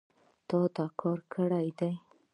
تا دا کار کړی دی